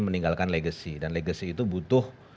meninggalkan legacy dan legacy itu butuh